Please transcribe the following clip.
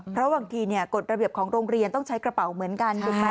เพราะบางทีกฎระเบียบของโรงเรียนต้องใช้กระเป๋าเหมือนกันถูกไหม